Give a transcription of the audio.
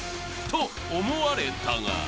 ［と思われたが］